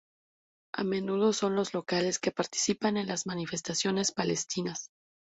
A menudo son locales que participan en las manifestaciones palestinas.